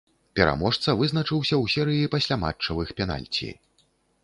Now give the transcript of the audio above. Пераможца вызначыўся ў серыі пасляматчавых пенальці.